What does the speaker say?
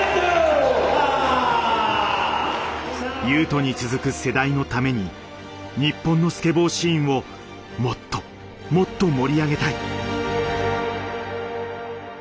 雄斗に続く世代のために日本のスケボーシーンをもっともっと盛り上げたい。